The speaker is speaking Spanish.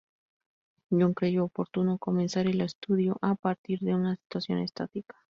John creyó oportuno comenzar el estudio a partir de una situación estática.